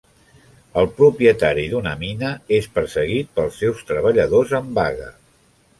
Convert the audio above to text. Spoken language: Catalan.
El propietari d'una mina és perseguit pels seus treballadors en vaga.